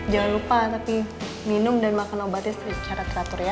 jangan lupa tapi minum dan makan obatnya secara teratur ya